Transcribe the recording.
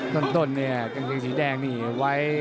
ต้นเนี่ยกางเกงสีแดงนี่ไว้